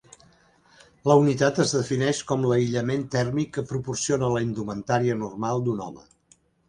La unitat es defineix com l'aïllament tèrmic que proporciona la indumentària normal d'un home.